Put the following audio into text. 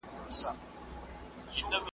دتوپان په دود خروښيږي .